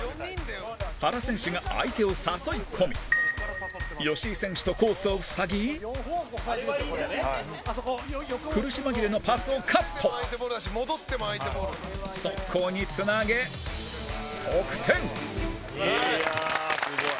原選手が相手を誘い込み吉井選手と、コースを塞ぎ苦し紛れのパスをカット速攻につなげ、得点山崎：いやあ、すごい！